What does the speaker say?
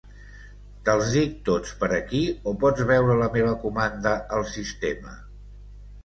Te'ls dic tots per aquí, o pots veure la meva comanda al sistema?